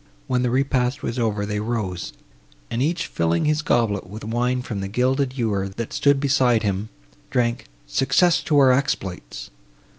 When the repast was over, they rose, and, each filling his goblet with wine from the gilded ewer, that stood beside him, drank "Success to our exploits!"